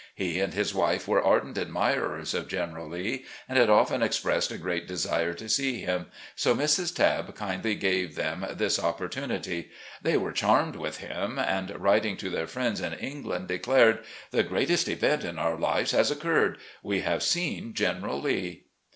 He and his wife were ardent admirers of General Lee, and had often expressed a great desire to see him, so Mrs. 410 RECOLLECTIONS OP GENERAL LEE • Tabb kindly gave them this opportunity. They were charmed with him, and, writing to their friends in Eng land, declared : "The greatest event in our lives has occurred — we have seen General Lee."